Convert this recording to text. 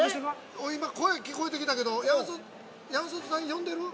今声聞こえてきたけど、山里さん、呼んでる？